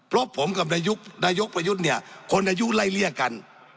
รบผมกับนายุคนายุคประยุทธ์เนี่ยคนอายุไล่เลี่ยกัน